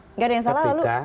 nggak ada yang salah lalu